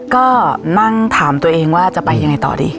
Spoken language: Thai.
ก็นั่งถามตัวเองว่าจะไปยังไงต่อดี